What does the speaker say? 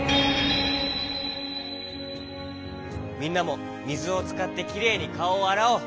みんなもみずをつかってきれいにかおをあらおう。